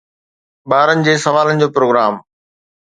ٻارن جي سوالن جو پروگرام